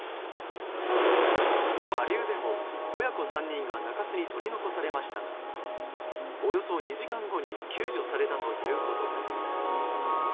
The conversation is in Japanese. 下流でも親子３人が中州に取り残されましたがおよそ２時間後に救助されたということです。